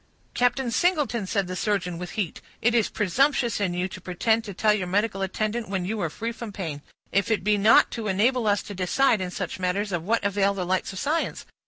"Captain Singleton," said the surgeon, with heat, "it is presumptuous in you to pretend to tell your medical attendant when you are free from pain. If it be not to enable us to decide in such matters, of what avail the lights of science?